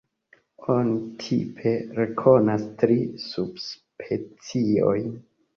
Oni tipe rekonas tri subspeciojn.